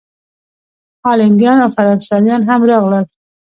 هالینډیان او فرانسویان هم راغلل.